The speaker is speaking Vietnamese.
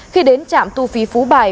khi đến trạm tu phí phú bài